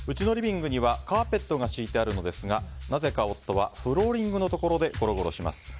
うちのリビングにはカーペットが敷いてあるのですがなぜか夫はフローリングのところでゴロゴロします。